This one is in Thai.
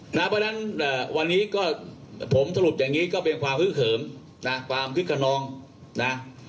เพราะฉะนั้นวันนี้ก็ผมสรุปอย่างนี้ก็เป็นความฮึกเหิมนะความคึกขนองนะ